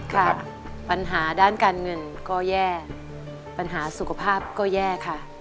ค่ะปัญหาด้านการเงินก็แย่ปัญหาสุขภาพก็แย่ค่ะ